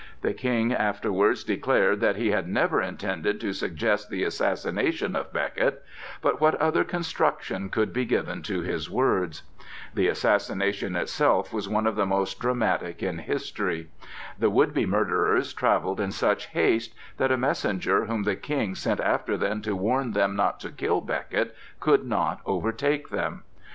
The King afterwards declared that he had never intended to suggest the assassination of Becket; but what other construction could be given to his words? The assassination itself was one of the most dramatic in history. The would be murderers travelled in such haste that a messenger whom the King sent after them to warn them not to kill Becket could not overtake them.